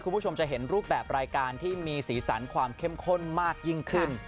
คุณผู้ชมจะเห็นรูปแบบรายการที่มีสีสันความเข้มข้นมากยิ่งขึ้น